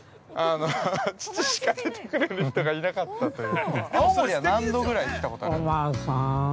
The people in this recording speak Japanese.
父しか出てくれる人がいなかったという。